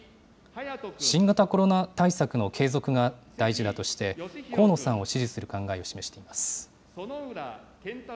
新型コロナ対策の継続が大事だとして、河野さんを支持する考えを示しています。